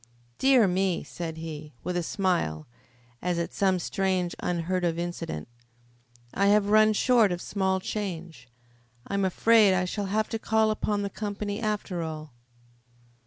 "Dear me!" said he, with a smile, as at some strange, unheard of incident. "I have run short of small change. I am afraid I shall have to call upon the company, after all."